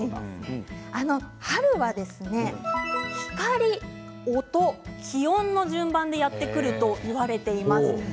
春は光、音、気温の順番でやってくるといわれています。